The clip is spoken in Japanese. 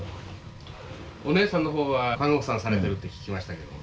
お姉さんの方は看護婦さんされてるって聞きましたけども。